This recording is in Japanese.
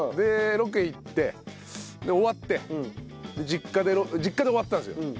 ロケ行ってで終わって実家で終わったんですよ。